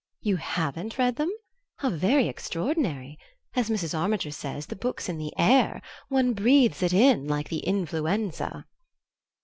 "You HAVEN'T read them? How very extraordinary! As Mrs. Armiger says, the book's in the air; one breathes it in like the influenza."